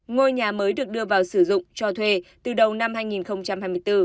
ngôi nhà mới được đưa vào sử dụng cho thuê từ đầu năm hai nghìn hai mươi bốn